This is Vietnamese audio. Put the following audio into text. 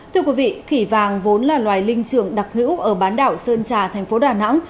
thưa quý vị khỉ vàng vốn là loài linh trường đặc hữu ở bán đảo sơn trà thành phố đà nẵng